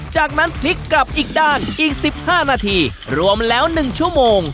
จากนั้นพลิกกลับอีกด้านอีกสิบห้านาทีรวมแล้วหนึ่งชั่วโมง